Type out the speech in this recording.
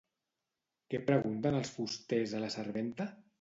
Què pregunten els fusters a la serventa?